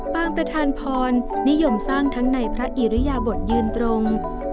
ประธานพรนิยมสร้างทั้งในพระอิริยบทยืนตรง